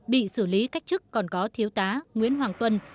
bị xử lý cách chức còn có thiếu tá nguyễn hoàng tuân